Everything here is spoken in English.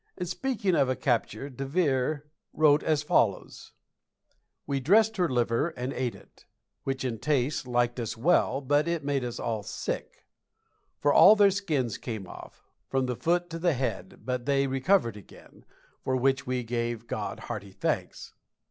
In speaking of a capture De Vere wrote as follows: "We dressed her liver and ate it, which in taste liked us well, but it made us all sick for all their skins came off, from the foot to the head, but they recovered again, for which we gave God hearty thanks."